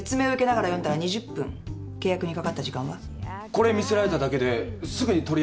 これ見せられただけですぐに取り上げられたって。